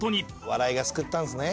「笑いが救ったんですね」